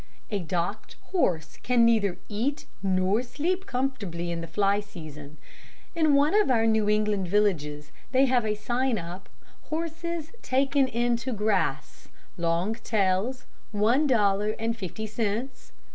"A docked horse can neither eat nor sleep comfortably in the fly season. In one of our New England villages they have a sign up, 'Horses taken in to grass. Long tails, one dollar and fifty cents.